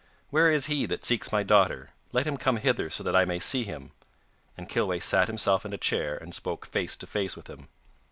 'Where is he that seeks my daughter? Let him come hither so that I may see him.' And Kilweh sat himself in a chair and spoke face to face with him.